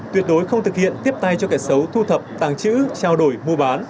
tuyệt đối không thực hiện tiếp tay cho kẻ xấu thu thập tàng chữ trao đổi mua bán